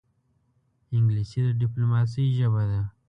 انګلیسي د ډیپلوماسې ژبه ده